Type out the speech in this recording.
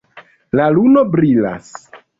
La luno brilas.